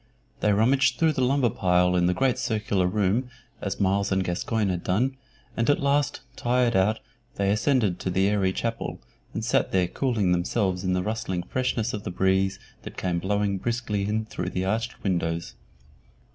They rummaged through the lumber pile in the great circular room as Myles and Gascoyne had done, and at last, tired out, they ascended to the airy chapel, and there sat cooling themselves in the rustling freshness of the breeze that came blowing briskly in through the arched windows.